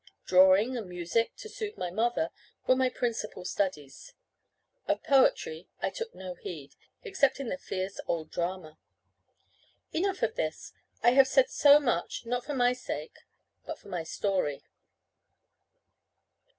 Drawing and music (to soothe my mother) were my principal studies. Of poetry I took no heed, except in the fierce old drama. Enough of this. I have said so much, not for my sake, but for my story.